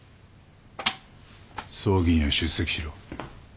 葬儀には出席しろ。